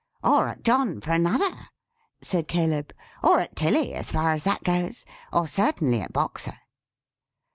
"Or at John for another," said Caleb. "Or at Tilly, as far as that goes. Or certainly at Boxer."